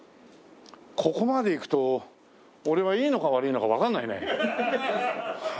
ここまでいくと俺はいいのか悪いのかわかんないね。